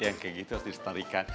yang kayak gitu harus dilestarikan